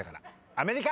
アメリカ。